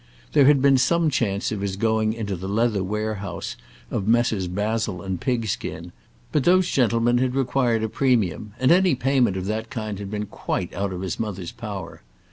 There had been some chance of his going into the leather warehouse of Messrs. Basil and Pigskin, but those gentlemen had required a premium, and any payment of that kind had been quite out of his mother's power.